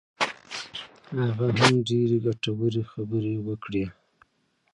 هغه هم ډېرې ګټورې خبرې وکړې.